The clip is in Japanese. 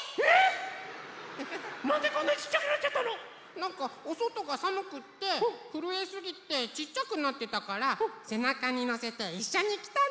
なんかおそとがさむくってふるえすぎてちっちゃくなってたからせなかにのせていっしょにきたの！